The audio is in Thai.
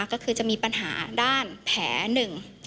ก็คือจะมีปัญหาด้านแผลหนึ่ง